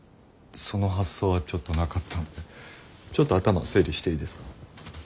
その発想はちょっとなかったんでちょっと頭整理していいですか？